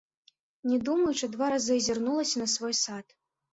Не думаючы, два разы азірнулася на свой сад.